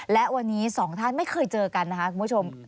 และวันนี้สองท่านไม่เคยเจอกันนะคะคุณผู้ชม